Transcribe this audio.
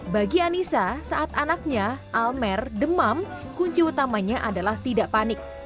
bagi anissa saat anaknya almer demam kunci utamanya adalah tidak panik